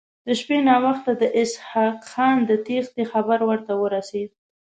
د شپې ناوخته د اسحق خان د تېښتې خبر ورته ورسېد.